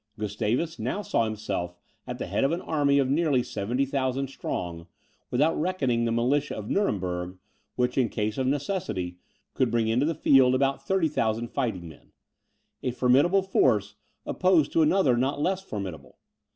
Gustavus now saw himself at the head of an army of nearly 70,000 strong, without reckoning the militia of Nuremberg, which, in case of necessity, could bring into the field about 30,000 fighting men; a formidable force, opposed to another not less formidable.